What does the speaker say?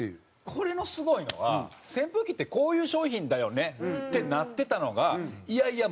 これのすごいのは扇風機ってこういう商品だよねってなってたのがいやいや